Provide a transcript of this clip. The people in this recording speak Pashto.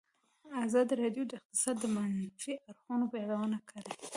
ازادي راډیو د اقتصاد د منفي اړخونو یادونه کړې.